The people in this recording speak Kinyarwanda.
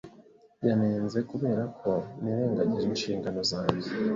Yanenze kubera ko nirengagije inshingano zanjye.